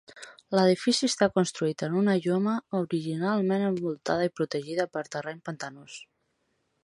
L'edifici està construït en una lloma originalment envoltada i protegida per terreny pantanós.